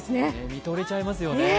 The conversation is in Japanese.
見とれちゃいますよね